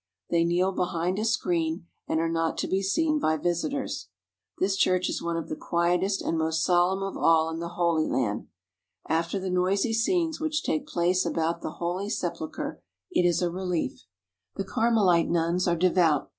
They kneel behind a screen and are not to be seen by visitors. This church is one of the quietest and most solemn of all in the Holy Land. After the noisy scenes which take place about the Holy Sepulchre it is a relief. 126 EXCAVATING OLD JERICHO The Carmelite nuns are devout.